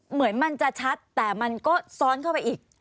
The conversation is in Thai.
เหมือนมันจะชัดแต่มันก็ซ้อนเข้าไปอีก